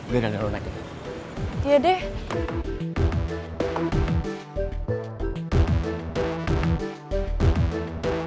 gue udah ngerunak